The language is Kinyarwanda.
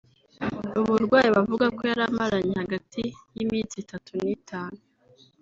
uburwayi bavuga ko yari amaranye hagati y’iminsi itatu n’itanu